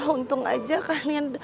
untung aja kalian